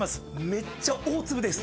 めっちゃ大粒です。